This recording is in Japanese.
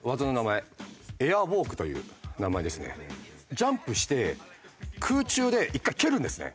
ジャンプして空中で１回蹴るんですね。